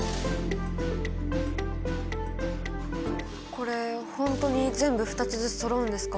これ本当に全部２つずつそろうんですか？